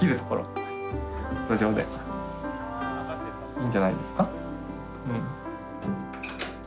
いいんじゃないですかうん。